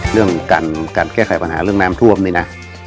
เรื่องการแก้ไขปัญหาเรื่องน้ำท่วมนี่นะ